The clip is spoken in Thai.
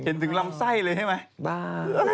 เห็นถึงลำไส้เลยใช่ไหมบ้า